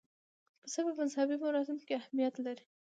پسه په مذهبي مراسمو کې اهمیت لري.